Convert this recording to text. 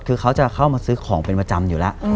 คือเขาจะเข้ามาซื้อของเป็นประจำอยู่แล้ว